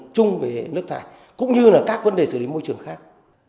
cũng như các vấn đề xử lý môi trường khác